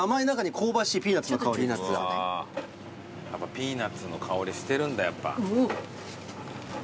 ピーナッツの香りしてるんだやっぱ。